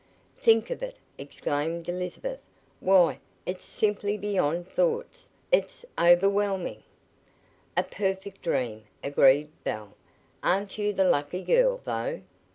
"Think of it!" exclaimed Elizabeth. "Why, it's simply beyond thoughts; it's overwhelming!" "A perfect dream," agreed Belle. "Aren't you the lucky girl, though!"